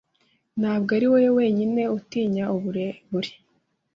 Ntabwo ari wowe wenyine utinya uburebure.